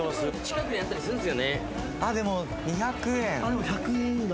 ・でも１００円台。